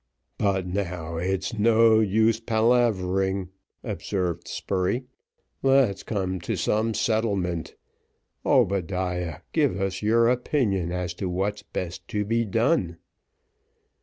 "But now, it's no use palavering," observed Spurey; "let's come to some settlement. Obadiah, give us your opinion as to what's best to be done."